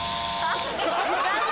残念！